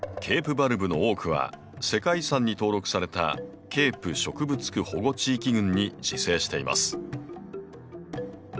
ケープバルブの多くは世界遺産に登録されたケープ植物区保護地域群に自生しています。